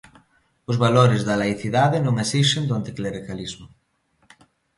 Os valores da laicidade non esixen do anticlericalismo.